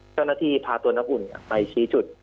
เจ้าหน้าที่พาตัวน้ำอุ่นไปชี้จุด